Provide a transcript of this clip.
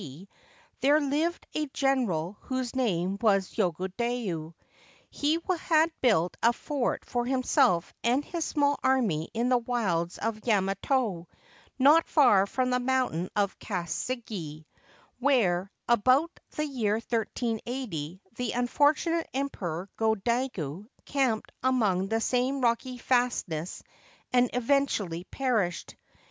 D., there lived a general whose name was Yogodayu. He had built a fort for himself and his small army in the wilds of Yamato, not far from the Mountain of Kasagi, where, about the year 1380, the unfortunate Emperor Go Daigo camped among the same rocky fastnesses and eventually perished.